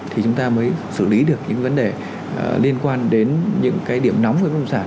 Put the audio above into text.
thì chúng ta mới xử lý được những vấn đề liên quan đến những cái điểm nóng với nông sản